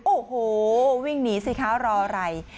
โอ้โหวิ่งหนีสิคะรออะไร